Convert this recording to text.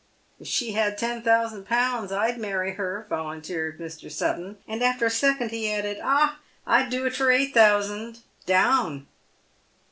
" If she had ten thousand pounds I'd marry her," volunteered Mr. Sutton ; and after a second he added, " Ah ! I'd do it for eight thou sand — down